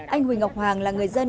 anh huỳnh ngọc hoàng là người dân